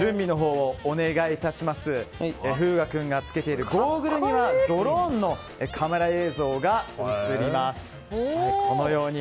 風雅君が着けているゴーグルにはドローンのカメラ映像が映ります。